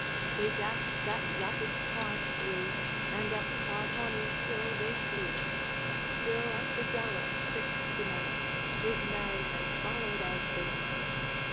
They dashed that rapid torrent through, And up Carhonie's hill they flew; Still at the gallop pricked the Knight, His merrymen followed as they might.